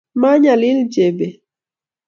Manyalil Jebet